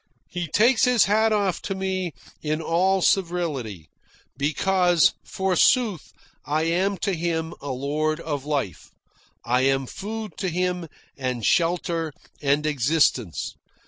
He takes his hat off to me in all servility, because, forsooth, I am to him a lord of life. I am food to him, and shelter, and existence.